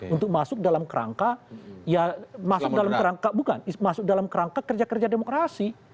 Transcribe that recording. untuk masuk dalam kerangka ya masuk dalam kerangka bukan masuk dalam kerangka kerja kerja demokrasi